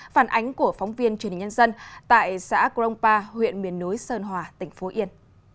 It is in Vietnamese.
phản ánh của phóng viên truyền hình nhân dân tại xã crongpa huyện miền núi sơn hòa tỉnh phú yên